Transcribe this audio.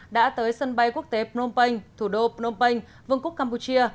đã tới sân bay quốc tế phnom penh thủ đô phnom penh vương quốc campuchia